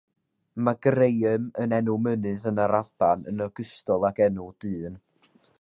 Mae Graham yn enw mynydd yn yr Alban yn ogystal ag enw dyn.